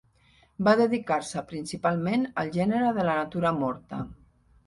Va dedicar-se principalment al gènere de la natura morta.